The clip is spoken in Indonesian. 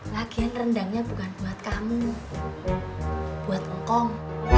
lagian rendangnya bukan buat kamu buat hongkong